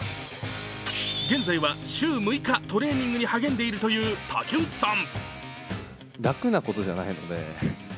現在は週６日、トレーニングに励んでいるという竹内さん。